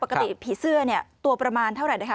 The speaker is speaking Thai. ปกติผีเสื้อเนี่ยตัวประมาณเท่าไหร่นะคะ